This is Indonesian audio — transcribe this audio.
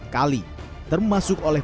empat kali termasuk oleh